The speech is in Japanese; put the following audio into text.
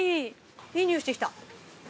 いい匂いしてきた。